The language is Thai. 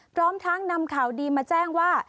พร้อมทั้งนำข่าวดีมาแจ้งว่า